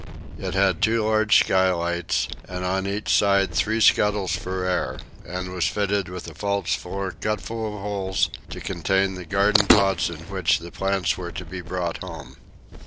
It had two large skylights, and on each side three scuttles for air, and was fitted with a false floor cut full of holes to contain the garden pots in which the plants were to be brought home.